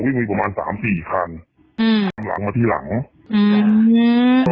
วิ่งมีประมาณสามสี่คันอืมหลังมาทีหลังอืม